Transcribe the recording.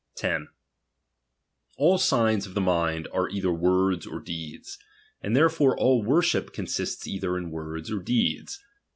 '—'~ 10. All signs of the mind are either words or wonhip deeds ; and therefore all worship consists either in aHribm in words or deeds.